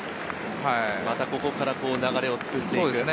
ここから流れを作っていくか。